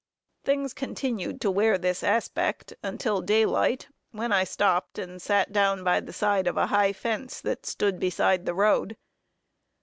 Things continued to wear this aspect until daylight, when I stopped, and sat down by the side of a high fence that stood beside the road.